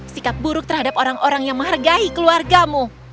sikap buruk terhadap orang orang yang menghargai keluargamu